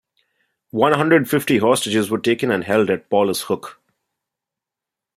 One hundred fifty hostages were taken and held at Paulus Hook.